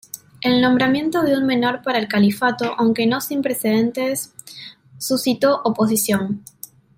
El nombramiento de un menor para el califato, aunque no sin precedentes suscitó oposición.